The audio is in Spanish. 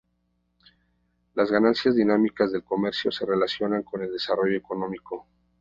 Las ganancias dinámicas del comercio se relacionan con el desarrollo económico.